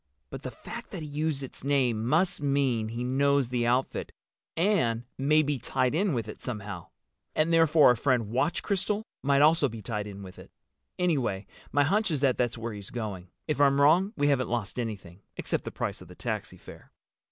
But the fact that he used its name must mean he knows the outfit—and may be tied in with it somehow. And therefore our friend Watch Crystal might also be tied in with it. Anyway, my hunch is that that's where he's going. If I'm wrong we haven't lost anything, except the price of the taxi fare."